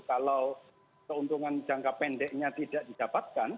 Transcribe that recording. kalau keuntungan jangka pendeknya tidak didapatkan